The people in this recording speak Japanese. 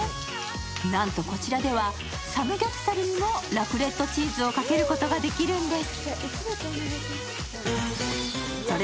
なんとこちらでは、サムギョプサルにもラクレットチーズをかけることかできるんです。